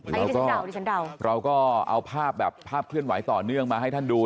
เราก็เราก็เอาภาพแบบภาพเคลื่อนไหวต่อเนื่องมาให้ท่านดู